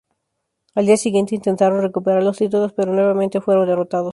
Al día siguiente intentaron recuperar los títulos pero nuevamente fueron derrotados.